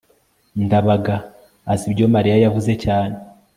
ndabaga azi ibyo mariya yavuze cyane